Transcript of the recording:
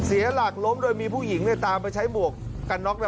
เสียหลักล้มโดยมีผู้หญิงตามไปใช้หมวกกันน็อกนะ